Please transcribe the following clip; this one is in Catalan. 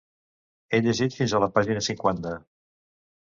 He llegit fins a la pàgina cinquanta.